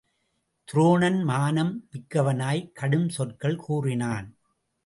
துரோணன் மானம் மிக்கவனாய்க் கடுஞ் சொற்கள் கூறினான்.